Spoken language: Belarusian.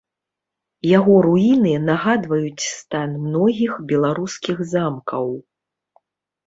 Яго руіны нагадваюць стан многіх беларускіх замкаў.